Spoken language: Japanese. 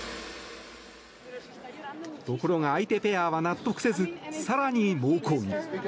ところが、相手ペアは納得せず更に猛抗議。